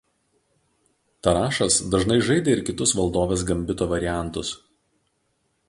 Tarašas dažnai žaidė ir kitus valdovės gambito variantus.